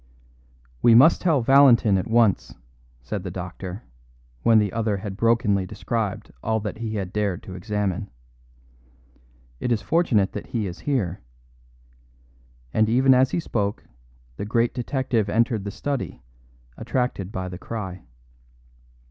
"We must tell Valentin at once," said the doctor, when the other had brokenly described all that he had dared to examine. "It is fortunate that he is here;" and even as he spoke the great detective entered the study, attracted by the cry.